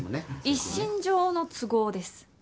一身上の都合です。